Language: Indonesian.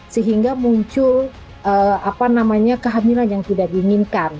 sehingga muncul kehamilan yang tidak diinginkan